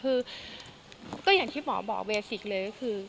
คือก็อย่างที่หมอบอกเวสิกเลยก็คือ